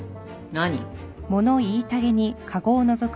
何？